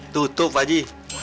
tutup pak haji